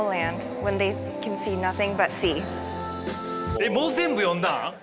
えっもう全部読んだん？